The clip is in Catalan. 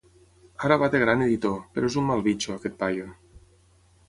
Ara va de gran editor, però és un mal bitxo, aquest paio.